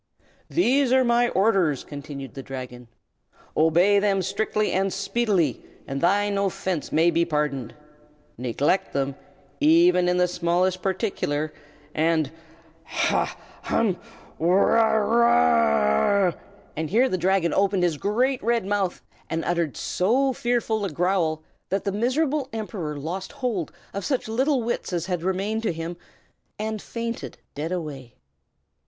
"These are my orders!" continued the Dragon. "Obey them strictly and speedily, and thine offence may be pardoned. Neglect them, even in the smallest particular, and Ha! Hum! Wurra wurra G R R R R R R!" and here the Dragon opened his great red mouth, and uttered so fearful a growl that the miserable Emperor lost hold of such little wits as had remained to him, and fainted dead away.